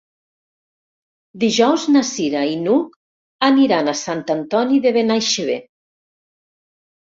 Dijous na Cira i n'Hug aniran a Sant Antoni de Benaixeve.